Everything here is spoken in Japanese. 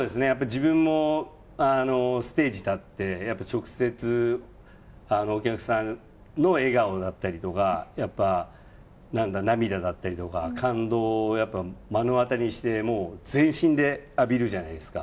自分もステージに立って直接お客さんの笑顔だったりとか涙だったりとか感動を目の当りにして全身で浴びるじゃないですか。